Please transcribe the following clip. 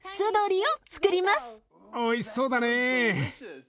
おいしそうだね。